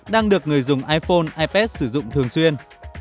đang được người dùng iphone ipad sử dụng thường xuyên